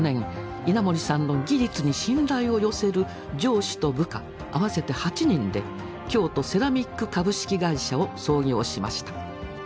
稲盛さんの技術に信頼を寄せる上司と部下合わせて８人で京都セラミック株式会社を創業しました。